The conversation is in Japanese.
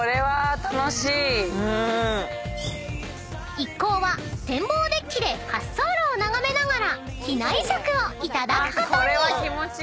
［一行は展望デッキで滑走路を眺めながら機内食をいただくことに］